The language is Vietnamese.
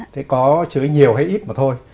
thế có chứa nhiều hay ít mà thôi